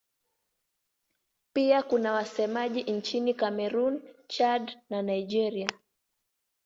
Pia kuna wasemaji nchini Kamerun, Chad na Nigeria.